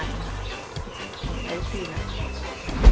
เหมือนเม็ดสีแล้วค่ะ